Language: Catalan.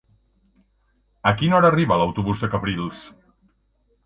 A quina hora arriba l'autobús de Cabrils?